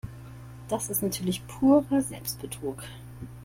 Das ist natürlich purer Selbstbetrug.